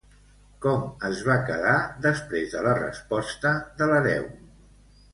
Com es va quedar després de la resposta de l'hereu?